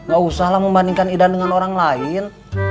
gak usahlah membandingkan idan dengan orang lain